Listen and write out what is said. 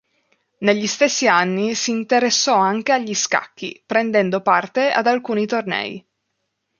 Negli stessi anni si interessò anche agli scacchi, prendendo parte ad alcuni tornei.